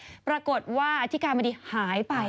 อ่ะครบไหมปรากฏว่าอธิกายมาที่หายไป